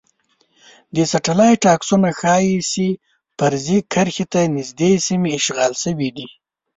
د سټلایټ عکسونه ښايی چې فرضي کرښې ته نږدې سیمې اشغال شوي دي